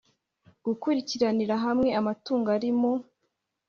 gukurikiranira hamwe amatungo ari mu